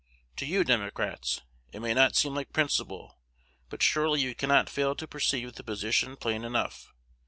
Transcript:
To you, Democrats, it may not seem like principle; but surely you cannot fail to perceive the position plain enough.